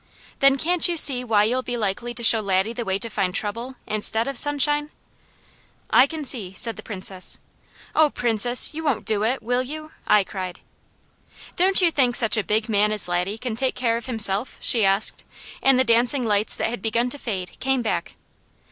"Then can't you see why you'll be likely to show Laddie the way to find trouble, instead of sunshine?" "I can see," said the Princess. "Oh Princess, you won't do it, will you?" I cried. "Don't you think such a big man as Laddie can take care of himself?" she asked, and the dancing lights that had begun to fade came back.